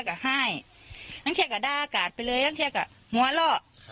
หัวเล่าแล้วที่ก็ด้ากาดไปเลยตังนั้นคือก็หัวเละ